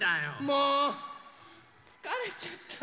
もうつかれちゃった。